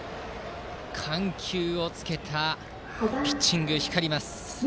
緩急をつけたピッチングが光ります。